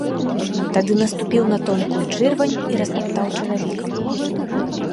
Тады наступіў на тонкую чырвань і растаптаў чаравікам.